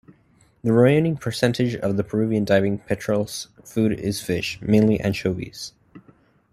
The remaining percentage of the Peruvian diving petrels food is fish, mainly anchovies.